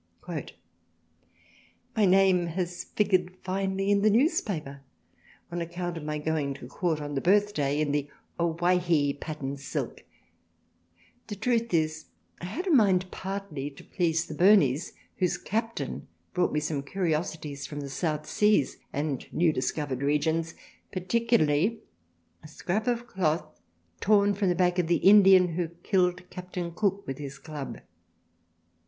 " My Name has figured finely in the Newspaper on account of my going to Court on the Birthday in the O Why Hee Pattern Silk, the Truth is I had a mind partly to please the Burneys, whose Captain brought me some Curiosities from the South Seas and new discovered Regions, particularly a Scrap of Cloth torn from the back of the Indian who killed Capt. Cook with his Club.